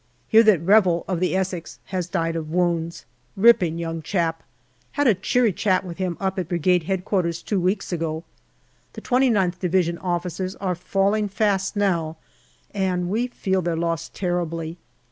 Hear that Revel, of the Essex, has died of wounds. Ripping young chap. Had a cheery chat with him up at Brigade H.Q. two weeks ago. The 2Qth Division officers are falling fast now, and we feel their loss terribly.